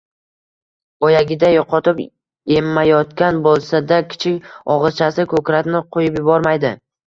Boyagiday yutoqib emmayotgan bo`lsa-da, kichik og`izchasi ko`krakni qo`yib yubormaydi